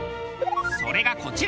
それがこちら。